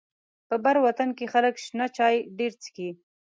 په بر وطن کې خلک شنه چای ډيره څکي.